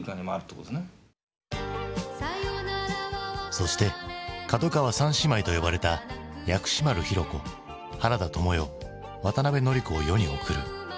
そして角川三姉妹と呼ばれた薬師丸ひろ子原田知世渡辺典子を世に送る。